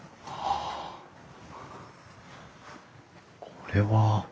これは？